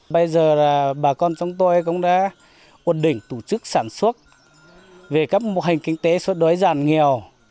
bây giờ là bà con chúng tôi cũng đã ổn định tổ chức sản xuất về các mô hình kinh tế suốt đối giản nghèo